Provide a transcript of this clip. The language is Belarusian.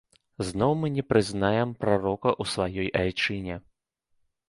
Зноў мы не прызнаем прарока ў сваёй айчыне.